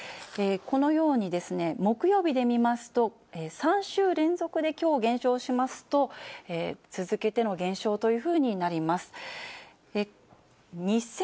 このように、木曜日で見ますと、３週連続できょう減少しますと、続けての減少というふうになります。